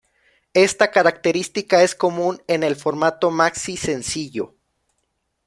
Esta característica es común en el formato maxi sencillo.